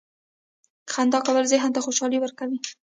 • خندا کول ذهن ته خوشحالي ورکوي.